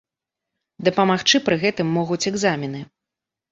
Дапамагчы пры гэтым могуць экзамены.